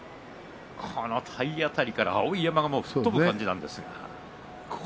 体当たりから碧山が吹っ飛ぶ感じでした。